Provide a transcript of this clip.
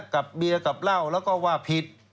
กับเบียร์กับเหล้าแล้วก็ว่าผิด